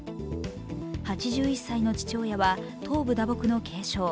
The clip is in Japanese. ８１歳の父親は頭部打撲の軽傷。